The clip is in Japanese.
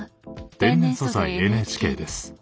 「天然素材ＮＨＫ」です。